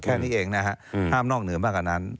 แค่นี้เองนะฮะห้ามนอกเหนือมากกว่านั้น